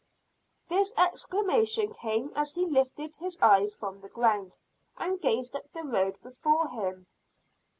This exclamation came as he lifted his eyes from the ground, and gazed up the road before him.